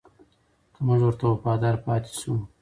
که موږ ورته وفادار پاتې شو.